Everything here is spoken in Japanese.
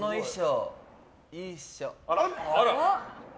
あら！